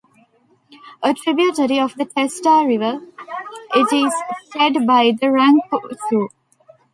A tributary of the Teesta River, it is fed by the Rangpo chu.